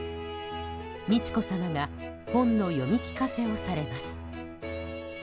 美智子さまが本の読み聞かせをされます。